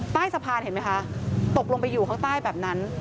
ใต้สะพานเห็นไหมคะตกลงไปอยู่ข้างใต้แบบนั้น